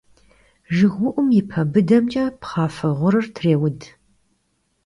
Jjıgıu'um yi pe bıdemç'e pxhafe ğurır trêud.